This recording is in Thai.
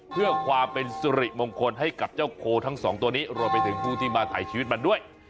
เพื่อความเป็นสุริมงคลให้กับเจ้าโคทั้งสองตัวนี้รวมไปถึงผู้ที่มาถ่ายชีวิตมันด้วย